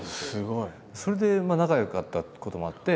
それで仲よかったこともあって